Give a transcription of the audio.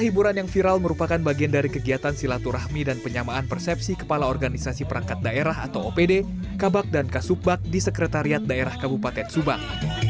hiburan yang viral merupakan bagian dari kegiatan silaturahmi dan penyamaan persepsi kepala organisasi perangkat daerah atau opd kabak dan kasubak di sekretariat daerah kabupaten subang